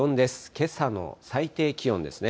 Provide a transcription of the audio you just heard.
けさの最低気温ですね。